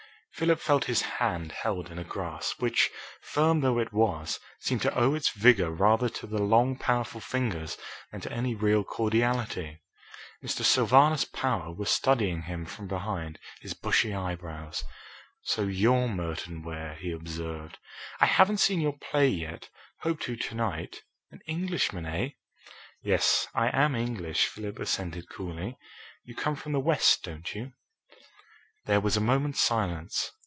'" Philip felt his hand held in a grasp which, firm though it was, seemed to owe its vigour rather to the long, powerful fingers than to any real cordiality. Mr. Sylvanus Power was studying him from behind his bushy eyebrows. "So you're Merton Ware," he observed. "I haven't seen your play yet hope to to night. An Englishman, eh?" "Yes, I am English," Philip assented coolly. "You come from the West, don't you?" There was a moment's silence.